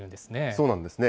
そうなんですね。